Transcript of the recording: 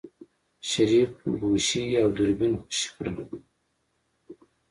شريف ګوشي او دوربين خوشې کړل.